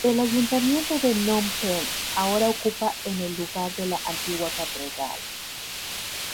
El ayuntamiento de Nom Pen ahora ocupa en el lugar de la antigua catedral.